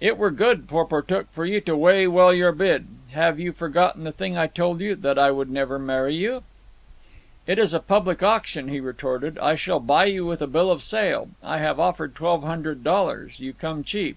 "It were good, Porportuk, for you to weigh well your bid. Have you forgotten the thing I told you—that I would never marry you!" "It is a public auction," he retorted. "I shall buy you with a bill of sale. I have offered twelve hundred dollars. You come cheap."